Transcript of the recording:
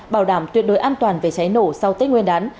bảo đảm tuyệt đối an toàn về cháy nổ sau tết nguyên đán